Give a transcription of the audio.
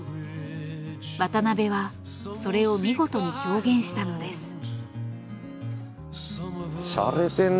渡辺はそれを見事に表現したのです。